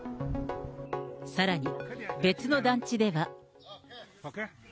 さらに別の団地では。